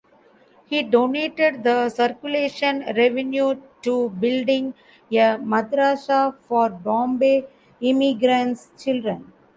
He donated the circulation revenue to building a madrassah for Bombay immigrants' children.